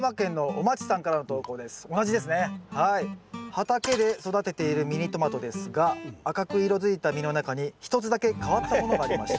「畑で育てているミニトマトですが赤く色づいた実の中に一つだけ変わったものがありました」。